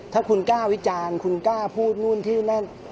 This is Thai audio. ถ้าคุณกล้าวิจารณ์คุณกล้าพูดนู่นที่นี่นั่น